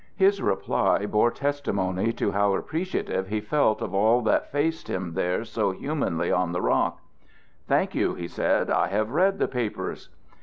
His reply bore testimony to how appreciative he felt of all that faced him there so humanly on the rock. "Thank you," he said, "I have read the papers."